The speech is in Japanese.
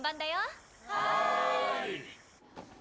はい。